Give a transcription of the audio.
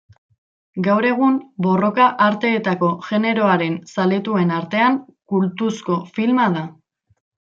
Gaur egun borroka arteetako generoaren zaletuen artean kultuzko filma da.